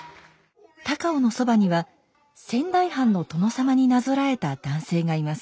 高尾のそばには仙台藩の殿様になぞらえた男性がいます。